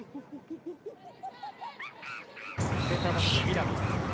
センターバックの南。